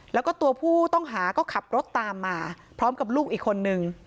แล้วก็ตัวผู้ต้องหาก็ขับรถตามมาพร้อมกับลูกอีกคนนึง